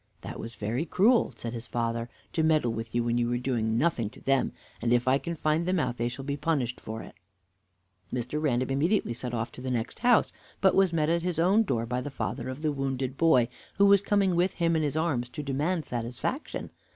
"That was very cruel," said his father, "to meddle with you when you were doing nothing to them, and if I can find them out they shall be punished for it." Mr. Random immediately set off to the next house, but was met at his own door by the father of the wounded boy, who was coming with him in his arms to demand satisfaction.